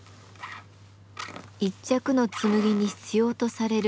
１着の紬に必要とされる